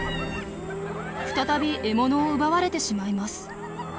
再び獲物を奪われてしまいます。